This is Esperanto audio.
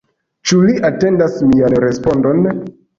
Ĉu li atendas mian respondon?